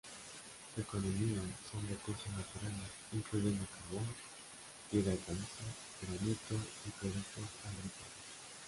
Su economía son recursos naturales, incluyendo carbón, piedra caliza, granito y productos agrícolas.